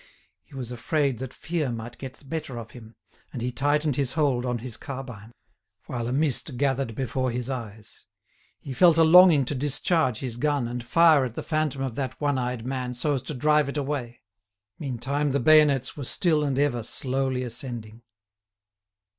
He was afraid that fear might get the better of him, and he tightened his hold on his carbine, while a mist gathered before his eyes. He felt a longing to discharge his gun and fire at the phantom of that one eyed man so as to drive it away. Meantime the bayonets were still and ever slowly ascending.